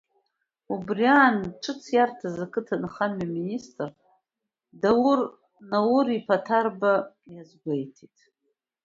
Убри аан, ҿыц иарҭаз ақыҭанхамҩа аминистр Даур Нури-иԥа Ҭарба иазгәеиҭеит…